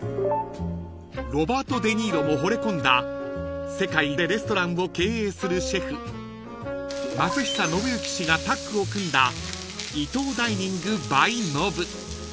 ［ロバート・デ・ニーロもほれ込んだ世界でレストランを経営するシェフ松久信幸氏がタッグを組んだＩＴＯＨＤＩＮＩＮＧｂｙＮＯＢＵ］